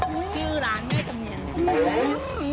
ชื่อร้านแม่จำเนียน